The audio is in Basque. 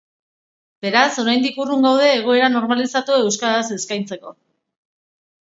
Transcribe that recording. Beraz, oraindik urrun gaude egoera normalizatua euskaraz eskaintzeko.